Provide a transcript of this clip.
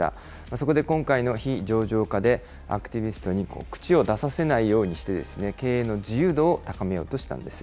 そこで今回の非上場化で、アクティビストに口を出させないようにして、経営の自由度を高めようとしたんです。